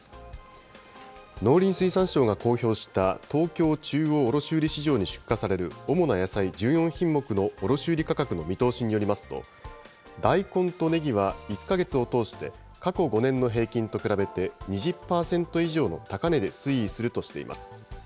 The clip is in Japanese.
農林水産省が公表した東京中央卸売市場に出荷される主な野菜１４品目の卸売り価格の見通しによりますと、だいこんとねぎは１か月を通して過去５年の平均と比べて２０％以上の高値で推移するとしています。